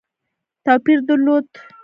توپیر درلود.